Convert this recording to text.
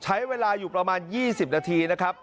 ใช้เวลาอยู่ประมาณ๒๐นาทีนะครับ